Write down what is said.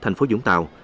thành phố vũng tàu